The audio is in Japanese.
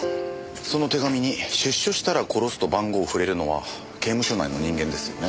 その手紙に「出所したら殺す」と番号を振れるのは刑務所内の人間ですよね。